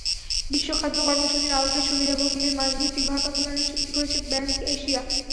বিশ্ব খাদ্য কর্মসূচির আওতায় সুবিধাভোগীদের মাসভিত্তিক ভাতা প্রদানে চুক্তি করেছে ব্যাংক এশিয়া।